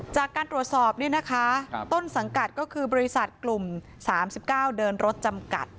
จากการตรวจสอบต้นสังกัดก็คือบริษัทกลุ่ม๓๙เดินรถจำกัด